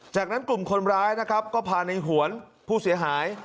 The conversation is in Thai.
จากนั้นกลุ่มคนร้ายนะครับก็พาในหวนผู้เสียหาย